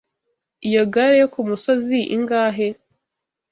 Iyo gare yo kumusozi ingahe?